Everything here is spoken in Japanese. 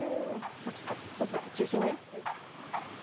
もうちょっとこっち、中心ね。